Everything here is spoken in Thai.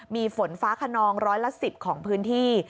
มีฝนฟ้าขนองร้อยละ๑๐ของพื้นที่